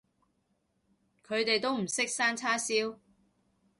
佢哋都唔識生叉燒